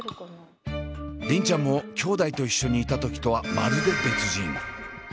梨鈴ちゃんもきょうだいと一緒にいた時とはまるで別人。